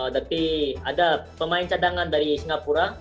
tapi ada pemain cadangan dari singapura